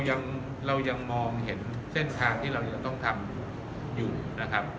เรายังมองเห็นเส้นทางที่เรายังต้องทำอยู่นะครับ